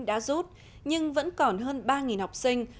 đã rút nhưng vẫn còn hơn ba học sinh